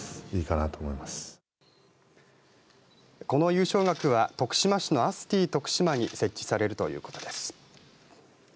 この優勝額は徳島市のアスティとくしまに設置されるということです。